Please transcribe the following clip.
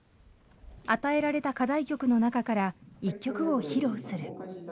与えられた課題曲の中から１曲を披露する。